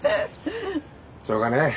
しょうがねえ。